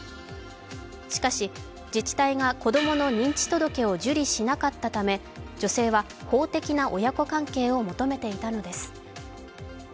しかし、自治体が子供の認知届を受理しなかったため女性は法的な親子関係を求めていたのです。